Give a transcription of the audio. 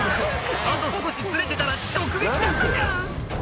あと少しずれてたら直撃だったじゃん